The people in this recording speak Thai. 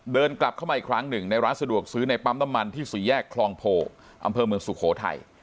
เดินกลับเข้ามาอีกครั้งหนึ่งในร้านสะดวกซื้อในปั๊มน้ำมันที่สี่แยกคลองโพอำเภอเมืองสุโขทัย